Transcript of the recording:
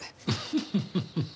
フフフッ。